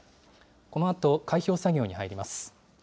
このあと開票作業に入ります。